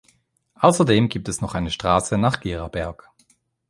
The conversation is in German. Außerdem gibt es noch eine Straße nach Geraberg.